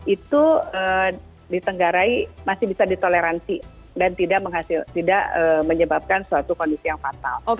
itu ditenggarai masih bisa ditoleransi dan tidak menyebabkan suatu kondisi yang fatal